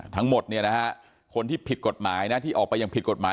ทั้งหมดคนที่ผิดกฎหมายที่ออกไปยังผิดกฎหมาย